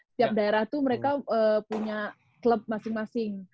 setiap daerah itu mereka punya klub masing masing